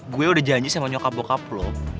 gue udah janji sama nyokap bokap lo